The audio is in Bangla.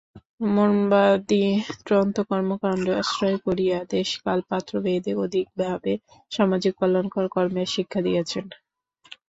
মন্বাদি তন্ত্র কর্মকাণ্ডকে আশ্রয় করিয়া দেশকালপাত্রভেদে অধিকভাবে সামাজিক কল্যাণকর কর্মের শিক্ষা দিয়াছেন।